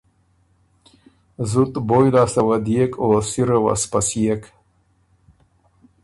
زُت بویٛ لاسته وه ديېک او سِره وه سپسيېک